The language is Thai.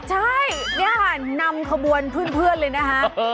ใช่นี่ค่ะนำขบวนเพื่อนเลยนะคะ